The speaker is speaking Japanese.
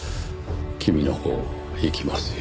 君のほういきますよ。